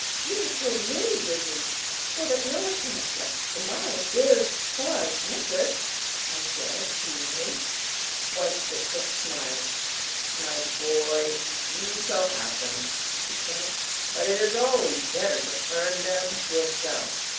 You have killed many grizzlies so that no one can object to my bear's claws necklace," I said appealingly. White Foot print smiled. "My boy, you shall have them," he said, "but it is always better to earn them yourself."